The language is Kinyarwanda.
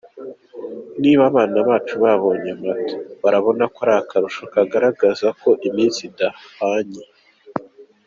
niba abana bacu babonye amata barabona ari akarusho kagaragaza ko iminsi idahwanye.